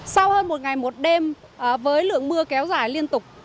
sau hơn một ngày một đêm với lượng mưa kéo dài liên tục